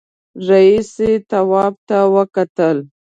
رئيسې تواب ته وکتل.